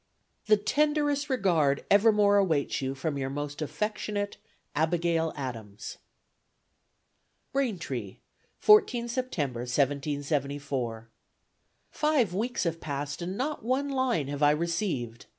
"The tenderest regard evermore awaits you from your most affectionate "ABIGAIL ADAMS." "Braintree, 14 September, 1774. "Five weeks have passed and not one line have I received.